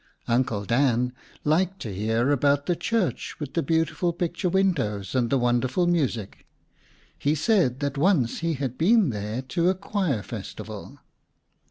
Uncle Dan liked to hear about the church with the beautiful picture windows and the wonderful music. He said that once he had been there to a choir festival.